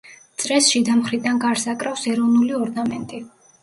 წრეს შიდა მხრიდან გარს აკრავს ეროვნული ორნამენტი.